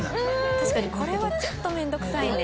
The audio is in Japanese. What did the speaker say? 確かにこれはちょっと面倒くさいね。